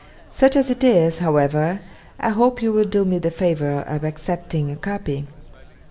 Such as it is, however, I hope you will do me the favour of accepting a copy.